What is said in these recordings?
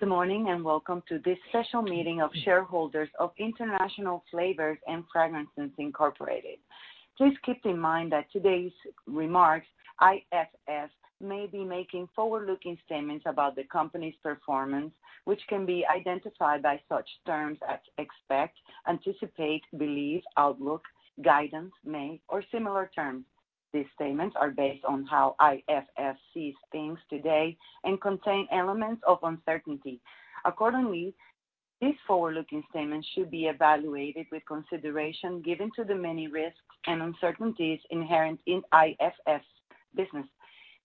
Good morning, and welcome to this special meeting of shareholders of International Flavors & Fragrances Inc. Please keep in mind that today's remarks, IFF may be making forward-looking statements about the company's performance, which can be identified by such terms as expect, anticipate, believe, outlook, guidance, may, or similar terms. These statements are based on how IFF sees things today and contain elements of uncertainty. Accordingly, these forward-looking statements should be evaluated with consideration given to the many risks and uncertainties inherent in IFF's business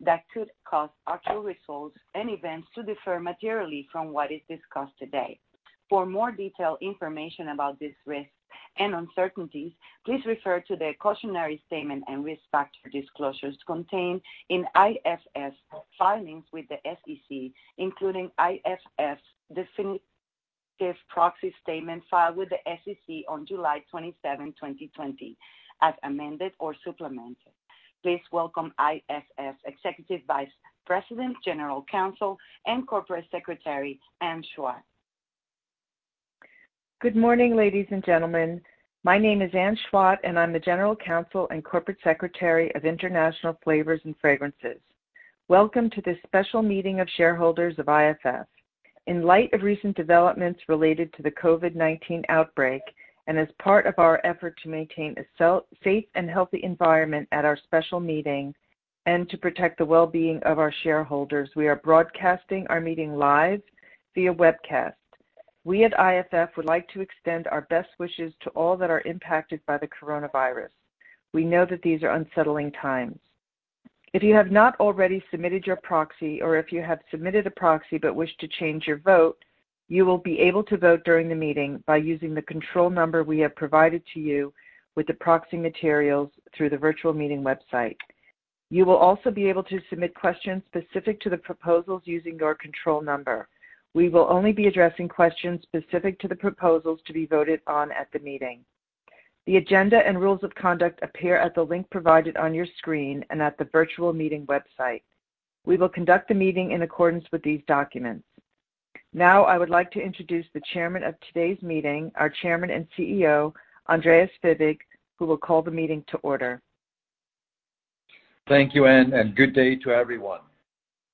that could cause actual results and events to differ materially from what is discussed today. For more detailed information about these risks and uncertainties, please refer to the cautionary statement and risk factor disclosures contained in IFF's filings with the SEC, including IFF's definitive proxy statement filed with the SEC on July 27, 2020, as amended or supplemented. Please welcome IFF's Executive Vice President, General Counsel, and Corporate Secretary, Anne Chwat. Good morning, ladies and gentlemen. My name is Anne Chwat, and I'm the General Counsel and Corporate Secretary of International Flavors & Fragrances. Welcome to this special meeting of shareholders of IFF. In light of recent developments related to the COVID-19 outbreak, and as part of our effort to maintain a safe and healthy environment at our special meeting and to protect the well-being of our shareholders, we are broadcasting our meeting live via webcast. We at IFF would like to extend our best wishes to all that are impacted by the coronavirus. We know that these are unsettling times. If you have not already submitted your proxy or if you have submitted a proxy but wish to change your vote, you will be able to vote during the meeting by using the control number we have provided to you with the proxy materials through the virtual meeting website. You will also be able to submit questions specific to the proposals using your control number. We will only be addressing questions specific to the proposals to be voted on at the meeting. The agenda and rules of conduct appear at the link provided on your screen and at the virtual meeting website. We will conduct the meeting in accordance with these documents. Now, I would like to introduce the Chairman of today's meeting, our Chairman and CEO, Andreas Fibig, who will call the meeting to order. Thank you, Anne, and good day to everyone.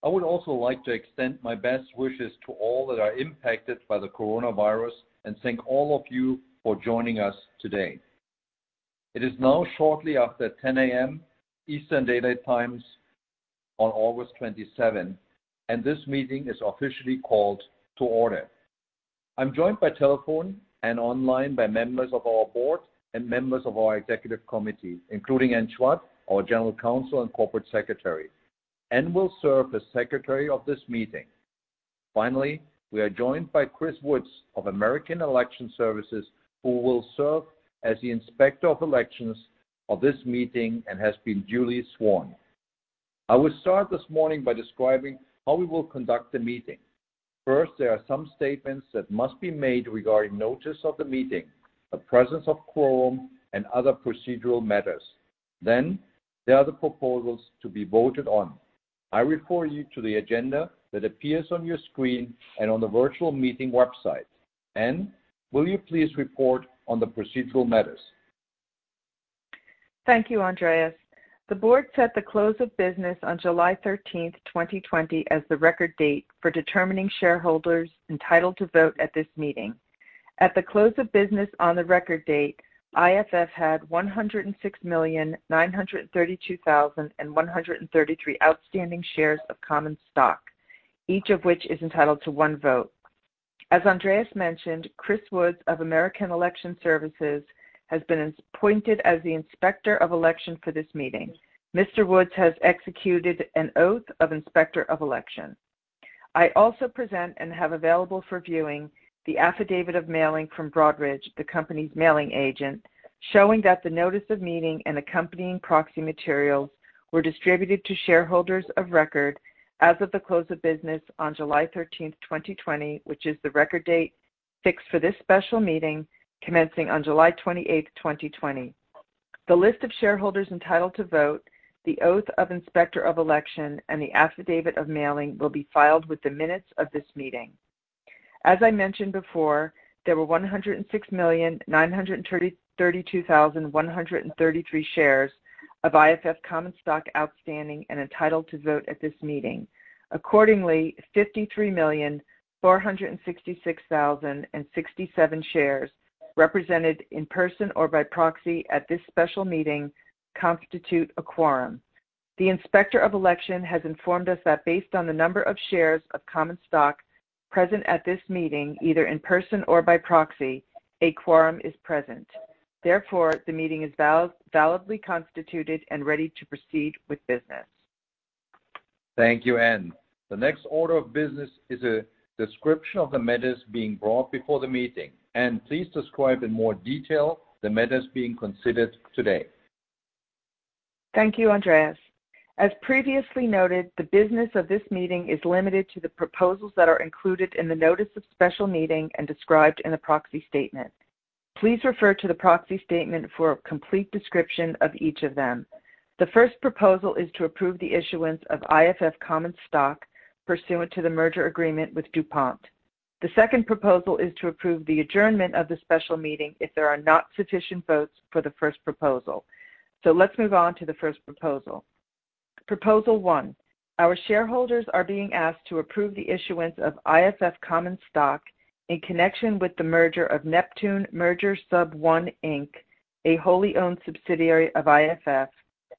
I would also like to extend my best wishes to all that are impacted by the coronavirus and thank all of you for joining us today. It is now shortly after 10:00 A.M. Eastern Daylight Time on August 27. This meeting is officially called to order. I'm joined by telephone and online by members of our board and members of our executive committee, including Anne Chwat, our General Counsel and Corporate Secretary. Anne will serve as Secretary of this meeting. Finally, we are joined by Chris Woods of American Election Services, who will serve as the Inspector of Elections of this meeting and has been duly sworn. I will start this morning by describing how we will conduct the meeting. First, there are some statements that must be made regarding notice of the meeting, the presence of quorum, and other procedural matters. There are the proposals to be voted on. I refer you to the agenda that appears on your screen and on the virtual meeting website. Anne, will you please report on the procedural matters? Thank you, Andreas. The board set the close of business on July 13th, 2020, as the record date for determining shareholders entitled to vote at this meeting. At the close of business on the record date, IFF had 106,932,133 outstanding shares of common stock, each of which is entitled to one vote. As Andreas mentioned, Chris Woods of American Election Services has been appointed as the Inspector of Election for this meeting. Mr. Woods has executed an Oath of Inspector of Election. I also present and have available for viewing the Affidavit of Mailing from Broadridge, the company's mailing agent, showing that the notice of meeting and accompanying proxy materials were distributed to shareholders of record as of the close of business on July 13th, 2020, which is the record date fixed for this special meeting commencing on July 28th, 2020. The list of shareholders entitled to vote, the Oath of Inspector of Election, and the Affidavit of Mailing will be filed with the minutes of this meeting. As I mentioned before, there were 106,932,133 shares of IFF common stock outstanding and entitled to vote at this meeting. Accordingly, 53,466,067 shares represented in person or by proxy at this special meeting constitute a quorum. The Inspector of Election has informed us that based on the number of shares of common stock present at this meeting, either in person or by proxy, a quorum is present. Therefore, the meeting is validly constituted and ready to proceed with business. Thank you, Anne. The next order of business is a description of the matters being brought before the meeting. Anne, please describe in more detail the matters being considered today. Thank you, Andreas. As previously noted, the business of this meeting is limited to the proposals that are included in the notice of special meeting and described in the proxy statement. Please refer to the proxy statement for a complete description of each of them. The first proposal is to approve the issuance of IFF common stock pursuant to the merger agreement with DuPont. The second proposal is to approve the adjournment of the special meeting if there are not sufficient votes for the first proposal. Let's move on to the first proposal. Proposal one, our shareholders are being asked to approve the issuance of IFF common stock in connection with the merger of Neptune Merger Sub I Inc, a wholly owned subsidiary of IFF,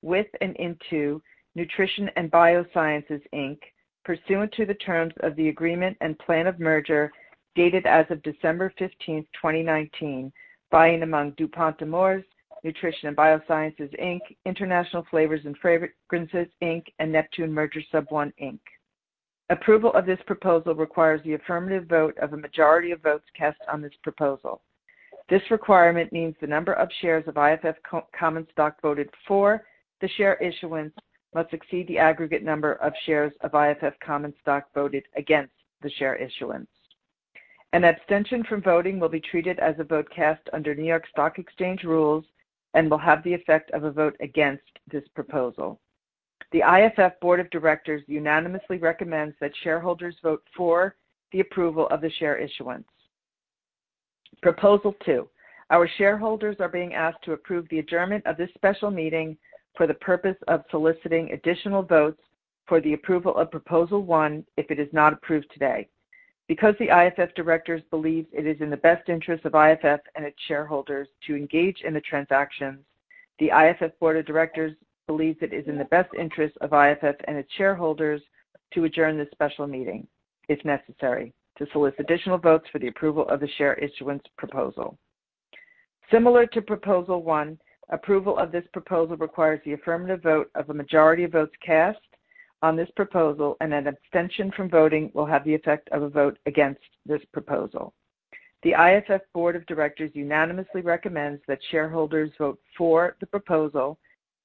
with and into Nutrition & Biosciences, Inc, pursuant to the terms of the agreement and plan of merger dated as of December 15th, 2019, by and among DuPont de Nemours, Nutrition & Biosciences, Inc, International Flavors & Fragrances Inc, and Neptune Merger Sub I Inc. Approval of this proposal requires the affirmative vote of a majority of votes cast on this proposal. This requirement means the number of shares of IFF common stock voted for the share issuance must exceed the aggregate number of shares of IFF common stock voted against the share issuance. An abstention from voting will be treated as a vote cast under New York Stock Exchange rules and will have the effect of a vote against this proposal. The IFF Board of Directors unanimously recommends that shareholders vote for the approval of the share issuance. Proposal Two, our shareholders are being asked to approve the adjournment of this special meeting for the purpose of soliciting additional votes for the approval of proposal one if it is not approved today. Because the IFF directors believe it is in the best interest of IFF and its shareholders to engage in the transactions, the IFF Board of Directors believes it is in the best interest of IFF and its shareholders to adjourn this special meeting, if necessary, to solicit additional votes for the approval of the share issuance proposal. Similar to proposal one, approval of this proposal requires the affirmative vote of a majority of votes cast on this proposal, and an abstention from voting will have the effect of a vote against this proposal. The IFF Board of Directors unanimously recommends that shareholders vote for the proposal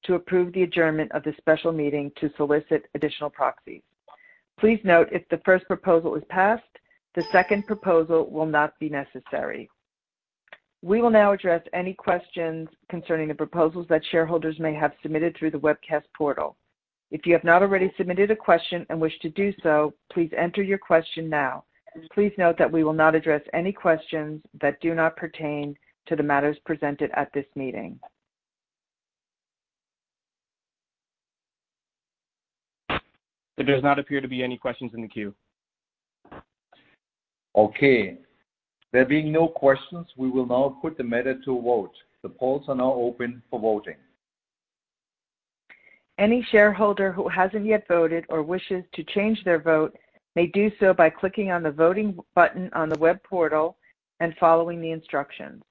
to approve the adjournment of the special meeting to solicit additional proxies. Please note, if the first proposal is passed, the second proposal will not be necessary. We will now address any questions concerning the proposals that shareholders may have submitted through the webcast portal. If you have not already submitted a question and wish to do so, please enter your question now. Please note that we will not address any questions that do not pertain to the matters presented at this meeting. There does not appear to be any questions in the queue. Okay. There being no questions, we will now put the matter to a vote. The polls are now open for voting. Any shareholder who hasn't yet voted or wishes to change their vote may do so by clicking on the voting button on the web portal and following the instructions.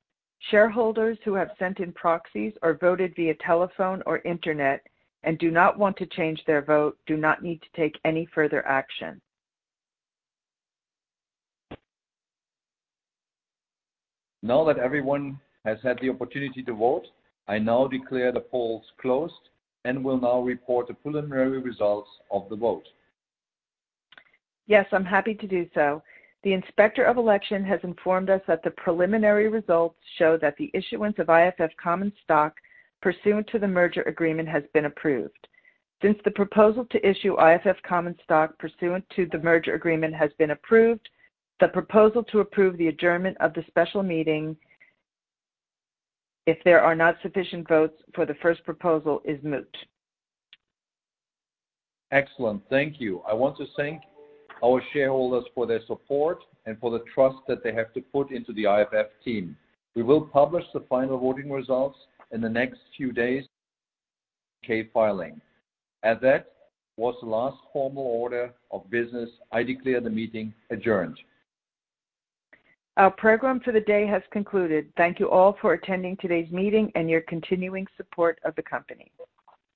Shareholders who have sent in proxies or voted via telephone or internet and do not want to change their vote do not need to take any further action. Now that everyone has had the opportunity to vote, I now declare the polls closed and will now report the preliminary results of the vote. Yes, I'm happy to do so. The Inspector of Election has informed us that the preliminary results show that the issuance of IFF common stock pursuant to the merger agreement has been approved. Since the proposal to issue IFF common stock pursuant to the merger agreement has been approved, the proposal to approve the adjournment of the special meeting if there are not sufficient votes for the first proposal is moot. Excellent. Thank you. I want to thank our shareholders for their support and for the trust that they have put into the IFF team. We will publish the final voting results in the next few days in an 8-K filing. As that was the last formal order of business, I declare the meeting adjourned. Our program for the day has concluded. Thank you all for attending today's meeting and your continuing support of the company.